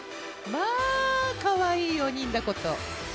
まあかわいい４人だこと。